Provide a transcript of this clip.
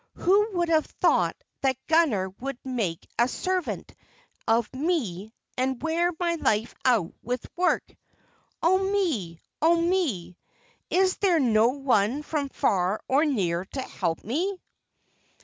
Who would have thought that Gunner would make a servant of me, and wear my life out with work? Oh, me! Oh, me! Is there no one from far or near to help me?"